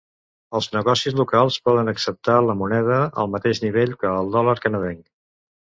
Els negocis locals poden acceptar la moneda al mateix nivell que el dòlar canadenc.